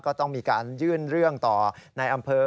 ก็ต้องมีการยื่นเรื่องต่อในอำเภอ